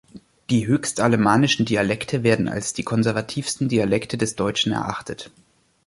Die höchstalemannischen Dialekte werden als die konservativsten Dialekte des Deutschen erachtet.